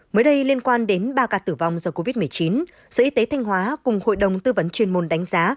mới đây liên quan đến ba ca tử vong do covid một mươi chín sở y tế thanh hóa cùng hội đồng tư vấn chuyên môn đánh giá